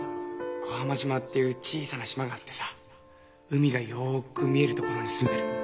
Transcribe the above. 小浜島っていう小さな島があってさ海がよく見える所に住んでる。